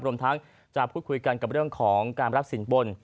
รวมทั้งจะพูดคุยกันกับเรื่องของการรับสินบน